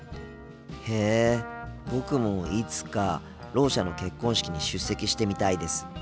へえ僕もいつかろう者の結婚式に出席してみたいです。